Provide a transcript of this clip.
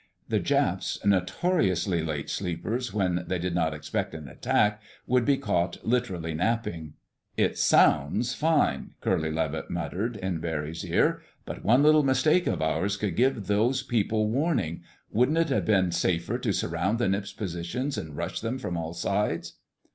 The Japs, notoriously late sleepers when they did not expect an attack, would be caught literally napping. "It sounds fine," Curly Levitt muttered in Barry's ear. "But one little mistake of ours could give those people warning. Wouldn't it have been safer to surround the Nips' positions and rush them from all sides?"